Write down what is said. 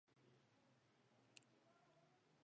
د خصوصي کولو پلویان د تولید او روزګار زیاتوالی ویني.